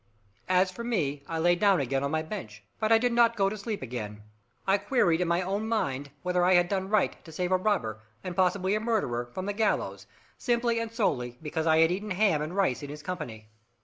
As for me, I lay down again on my bench, but I did not go to sleep again. I queried in my own mind whether I had done right to save a robber, and possibly a murderer, from the gallows, simply and solely because I had eaten ham and rice in his company.